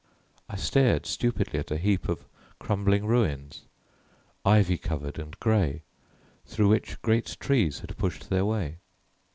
I stared stupidly at a heap of crumbling ruins, ivy covered and grey, through which great trees had pushed their way.